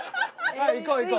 はい行こう行こう。